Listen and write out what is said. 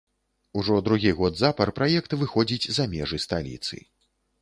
Ужо другі год запар праект выходзіць за межы сталіцы.